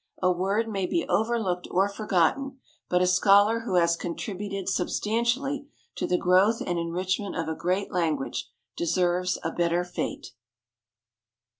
A word may be overlooked or forgotten, but a scholar who has contributed substantially to the growth and enrichment of a great language deserves a better fate.